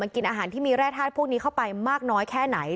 กินอาหารที่มีแร่ธาตุพวกนี้เข้าไปมากน้อยแค่ไหน